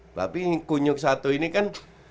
tapi kunyuk satu ini kan